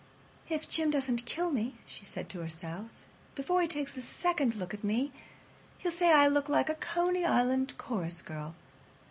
"If Jim doesn't kill me," she said to herself, "before he takes a second look at me, he'll say I look like a Coney Island chorus girl.